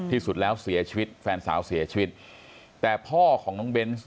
ที่สุดแล้วเสียชีวิตแฟนสาวเสียชีวิตแต่พ่อของน้องเบนส์